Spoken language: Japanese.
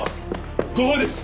誤報です！